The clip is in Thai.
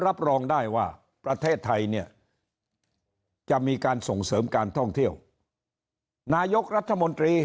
รับรองได้ว่าประเทศไทยเนี่ยจะมีการส่งเสริมการท่องเที่ยวนายกรัฐมนตรี